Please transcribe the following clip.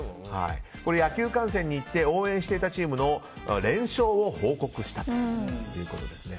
野球観戦に行って応援していたチームの連勝を報告したということです。